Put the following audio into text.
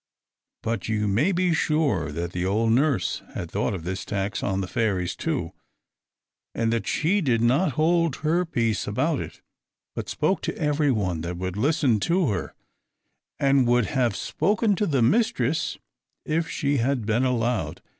But you may be sure that the old nurse had thought of this tax on the fairies too, and that she did not hold her peace about it, but spoke to everyone that would listen to her, and would have spoken to the mistress if she had been allowed.